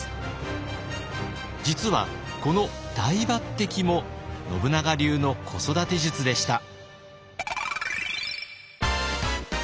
実はこの大抜擢も信長流の子育て術でした。